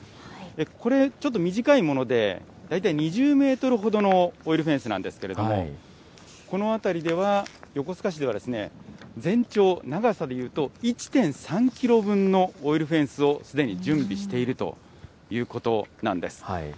これ、ちょっと短いもので、大体２０メートルほどのオイルフェンスなんですけれども、この辺りでは横須賀市では、全長、長さでいうと１．３キロ分のオイルフェンスをすでに準備しているということなんです。